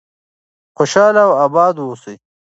خوشحاله او آباد اوسئ.